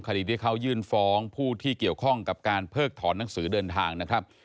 คดีที่เขายื่นฟ้องผู้ที่เกี่ยวข้องกับการเพิกถอนหนังสือเดินทางนะครับ